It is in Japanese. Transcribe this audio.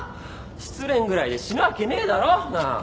失恋ぐらいで死ぬわけねえだろ！なあ？